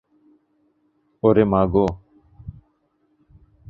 ওরে মা গো!